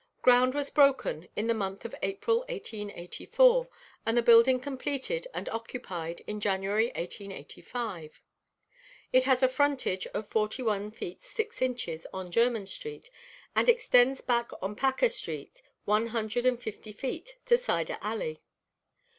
Ground was broken in the month of April, 1884, and the building completed and occupied in January, 1885. It has a frontage of forty one feet six inches on German street, and extends back on Paca street one hundred and fifty feet to Cider Alley.